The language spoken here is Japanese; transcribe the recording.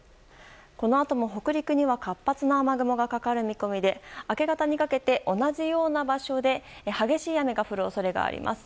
このあとも北陸には活発な雨雲がかかる見込みで明け方にかけて同じような場所で激しい雨が降る恐れがあります。